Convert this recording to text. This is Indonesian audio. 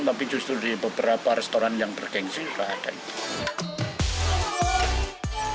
tapi justru di beberapa restoran yang bergengsi juga ada